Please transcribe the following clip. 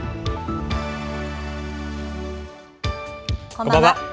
こんばんは。